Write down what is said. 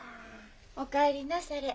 お帰りなされ。